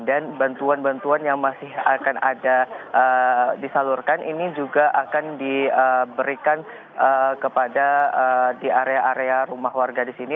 dan bantuan bantuan yang masih akan ada disalurkan ini juga akan diberikan kepada di area area rumah warga di sini